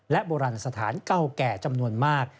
โบราณสถานเก่าแก่จำนวนมาก